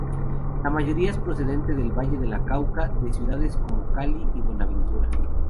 La mayoría es procedente del Valle del Cauca, de ciudades como Cali y Buenaventura.